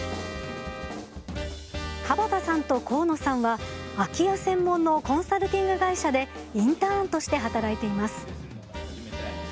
椛田さんと河野さんは空き家専門のコンサルティング会社でインターンとして働いています。